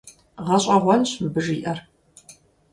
ГъэщӀэгъуэнщ мыбы жиӀэр!